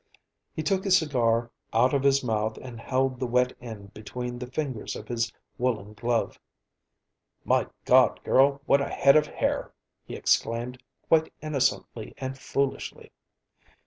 He took his cigar out of his mouth and held the wet end between the fingers of his woolen glove. "My God, girl, what a head of hair!" he exclaimed, quite innocently and foolishly.